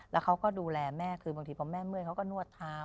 แล้วเขาก็ดูแลแม่คือบางทีพอแม่เมื่อยเขาก็นวดเท้า